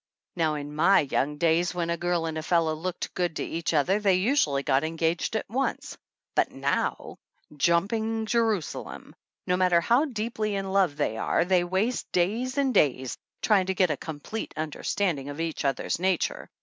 "Now in my young days when a girl and a fellow looked good to each other they usually got engaged at once. But now jump ing Jerusalem! No matter how deeply in love they are they waste days and days trying to get a 'complete understanding' of each other's nature.